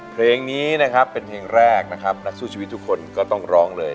เพลงนี้นะครับเป็นเพลงแรกนะครับนักสู้ชีวิตทุกคนก็ต้องร้องเลย